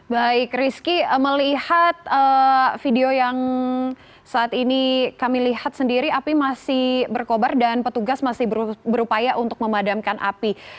baik rizky melihat video yang saat ini kami lihat sendiri api masih berkobar dan petugas masih berupaya untuk memadamkan api